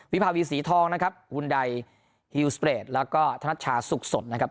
วิพาวีสีทองนะครับวุนใดแล้วก็ทนัชชาสุคสดนะครับ